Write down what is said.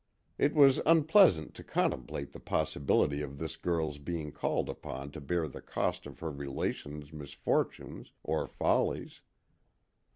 It was unpleasant to contemplate the possibility of this girl's being called upon to bear the cost of her relations' misfortunes or follies.